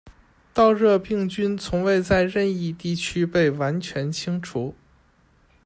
稻热病菌从未在任一地区被完全清除。